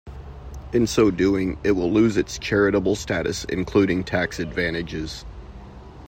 In so doing it will lose its charitable status including tax advantages.